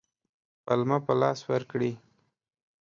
پلمه په لاس ورکړي.